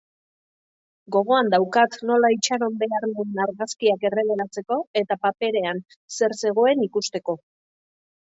Gogoan daukat nola itxaron behar nuen argazkiak errebelatzeko eta paperean zer zegoen ikusteko.